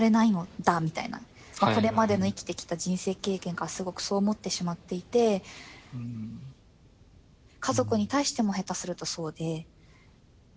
これまでの生きてきた人生経験からすごくそう思ってしまっていて家族に対しても下手するとそうで。